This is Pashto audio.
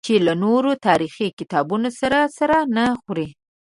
چې له نورو تاریخي کتابونو سره سر نه خوري.